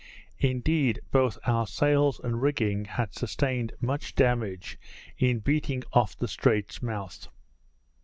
Indeed, both our sails and rigging had sustained much damage in beating off the Strait's mouth.